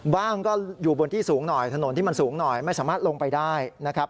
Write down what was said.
บ้างก็อยู่บนที่สูงหน่อยถนนที่มันสูงหน่อยไม่สามารถลงไปได้นะครับ